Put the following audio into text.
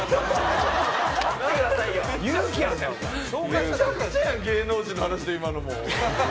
めちゃくちゃやん芸能人の話と今のも。